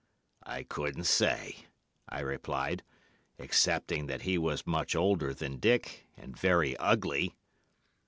"'I couldn't say,' I replied, 'excepting that he was much older than Dick, and very ugly.